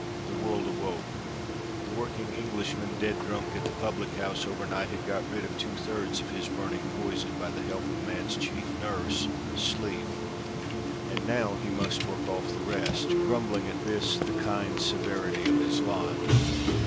The world awoke. The working Englishman, dead drunk at the public house overnight, had got rid of two thirds of his burning poison by the help of man's chief nurse, sleep; and now he must work off the rest, grumbling at this the kind severity of his lot.